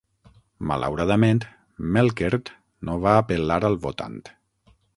Malauradament, Melkert no va apel·lar al votant.